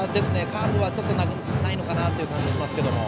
カーブは投げないのかなという感じがしますけども。